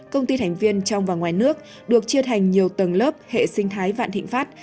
công ty thành viên trong và ngoài nước được chia thành nhiều tầng lớp hệ sinh thái vạn thịnh pháp